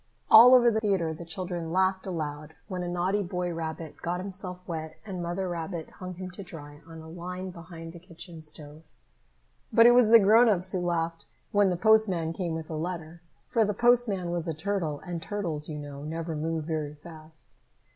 All over the theatre the children laughed aloud when a naughty boy rabbit got himself wet and Mother Rabbit hung him to dry on a line behind the kitchen stove. But it was the grown ups who laughed when the postman came with a letter, for the postman was a turtle, and turtles, you know, never move very fast.